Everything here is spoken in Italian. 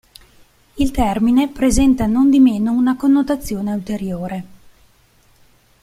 Il termine presenta nondimeno una connotazione ulteriore.